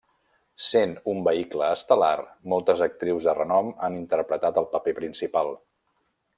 Sent un vehicle estel·lar, moltes actrius de renom han interpretat el paper principal.